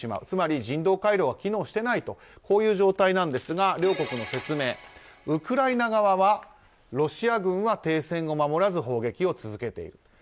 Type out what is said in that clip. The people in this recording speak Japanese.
つまり人道回廊は機能していないという状態なんですが両国の説明、ウクライナ側はロシア軍は停戦を守らず砲撃を続けている。